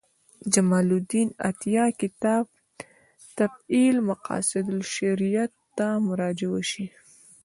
جمال الدین عطیه کتاب تفعیل مقاصد الشریعة ته مراجعه وشي.